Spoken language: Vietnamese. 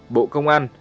bộ công an